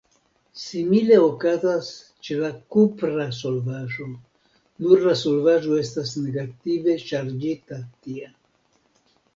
Simila okazas ĉe la kupra solvaĵo, nur la solvaĵo estas negative ŝargita tie.